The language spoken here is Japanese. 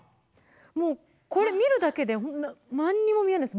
もう、これ見るだけでなんにも見えないです。